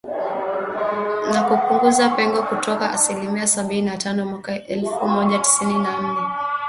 na kupunguza pengo kutoka asilimia sabini na tano mwaka elfu moja tisini na nne